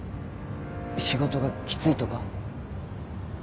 仕事がきついとか？